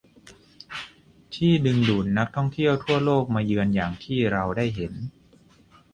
ที่ดึงดูดนักท่องเที่ยวทั่วโลกมาเยือนอย่างที่เราได้เห็น